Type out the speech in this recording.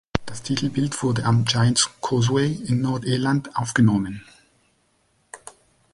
Das Titelbild wurde am Giant’s Causeway in Nordirland aufgenommen.